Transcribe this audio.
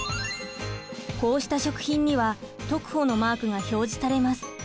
こうした食品にはトクホのマークが表示されます。